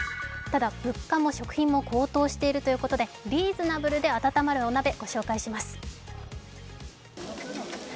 ただ物価も食品も高騰しているということでリーズナブルで温まるお鍋ご紹介します。